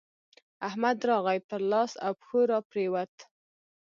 احمد راغی؛ پر لاس او پښو راپرېوت.